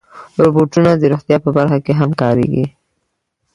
روبوټونه د روغتیا په برخه کې هم کارېږي.